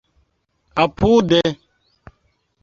apude